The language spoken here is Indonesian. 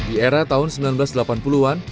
di era tahun seribu sembilan ratus delapan puluh an